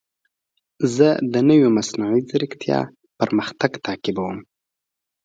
زه د نوې مصنوعي ځیرکتیا پرمختګ تعقیبوم.